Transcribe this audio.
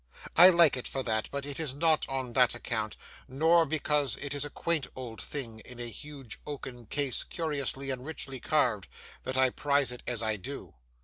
I like it for that; but it is not on that account, nor because it is a quaint old thing in a huge oaken case curiously and richly carved, that I prize it as I do.